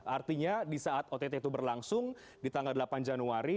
artinya di saat ott itu berlangsung di tanggal delapan januari